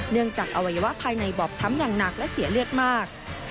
จากอวัยวะภายในบอบช้ำอย่างหนักและเสียเลือดมาก